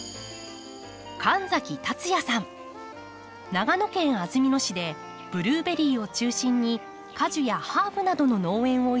長野県安曇野市でブルーベリーを中心に果樹やハーブなどの農園を営んでいます。